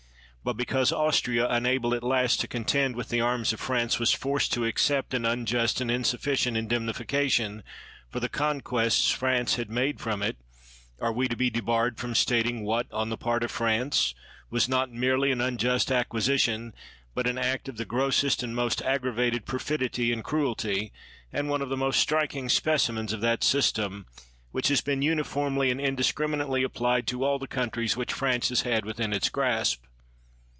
But because Austria, unable at last to contend with the arms of France, was forced to accept an unjust and insufficient indemnifica tion for the conquests France had made from it, are we to be debarred from stating what, on the part of France, was not merely an un just acquisition, but an act of the grossest and most aggravated perfidy and crueltj', and one of the most sti'iking specimens of that system which has been uniformly and indiscriminately applied to all the countries which France has had within its grasp?